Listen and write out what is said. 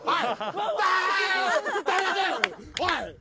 はい。